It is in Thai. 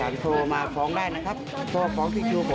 นะครับก็